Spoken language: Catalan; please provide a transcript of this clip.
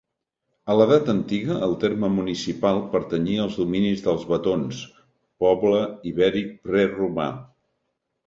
A l'Edat Antiga, el terme municipal pertanyia als dominis dels vetons, poble ibèric preromà.